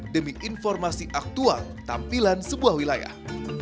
demi informasi aktual tampilan sebuah wilayah